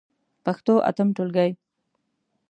پښتو اتم ټولګی.